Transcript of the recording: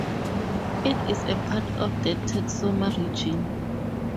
It is a part of the Texoma region.